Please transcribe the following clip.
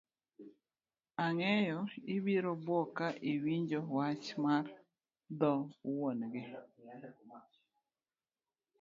Ang'eyo ibiro buok ka iwonjo wach mar dho wuon gi